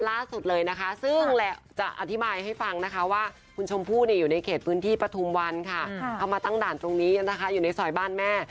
เราจากวันวันเอามาตั้งด่านตรงนี้นะคะอยู่ในสอยบ้านแม่